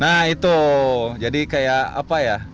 nah itu jadi kayak apa ya